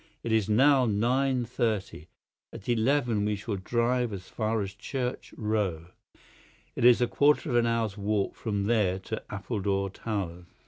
It is now nine thirty. At eleven we shall drive as far as Church Row. It is a quarter of an hour's walk from there to Appledore Towers.